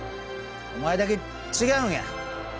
お前だけ違うんや。